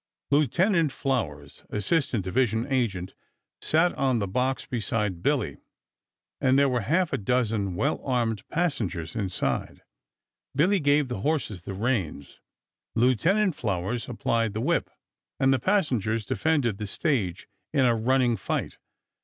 Lieutenant Flowers, assistant division agent, sat on the box beside Billy, and there were half a dozen well armed passengers inside. Billy gave the horses the reins, Lieutenant Flowers applied the whip, and the passengers defended the stage in a running fight.